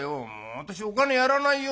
私お金やらないよ。